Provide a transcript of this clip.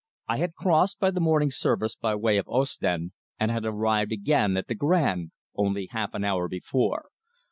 I had crossed by the morning service by way of Ostend, and had arrived again at the Grand only half an hour before.